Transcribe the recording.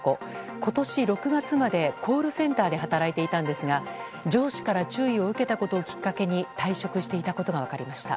今年６月までコールセンターで働いていたんですが上司から注意を受けたことをきっかけに退職していたことが分かりました。